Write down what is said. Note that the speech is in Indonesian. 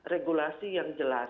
regulasi yang jelas